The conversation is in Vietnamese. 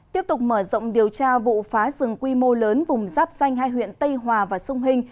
tiếp tục mở rộng điều tra vụ phá rừng quy mô lớn vùng giáp xanh hai huyện tây hòa và sông hình